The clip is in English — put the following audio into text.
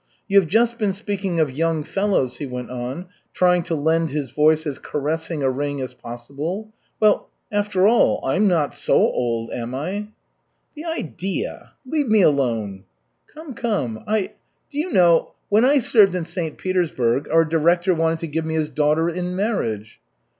"You have just been speaking of young fellows," he went on, trying to lend his voice as caressing a ring as possible. "Well after all, I'm not so old, am I?" "The idea! Leave me alone." "Come, come. I do you know when I served in St. Petersburg, our director wanted to give me his daughter in marriage?"